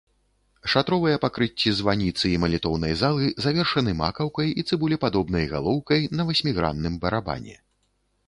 Шатровыя пакрыцці званіцы і малітоўнай залы завершаны макаўкай і цыбулепадобнай галоўкай на васьмігранным барабане.